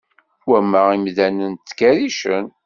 Wamma, imdanen ttkerricen